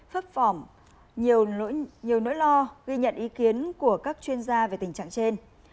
phấp phỏng nhiều nỗi lo ghi nhận ý kiến của các chuyên gia về tình trạng trên